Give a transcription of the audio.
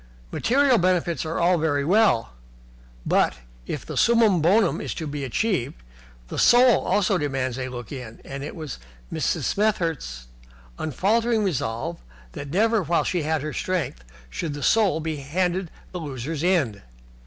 Material comforts are all very well, but, if the summum bonum is to be achieved, the Soul also demands a look in, and it was Mrs. Smethurst's unfaltering resolve that never while she had her strength should the Soul be handed the loser's end.